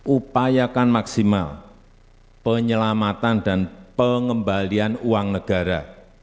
upayakan maksimal penyelamatan dan pengembalian uang negara